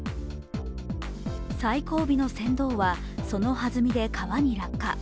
最後尾の船頭は、そのはずみで川に落下。